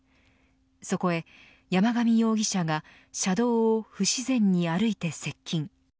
そこへ山上容疑者が車道を不自然に歩いて接近。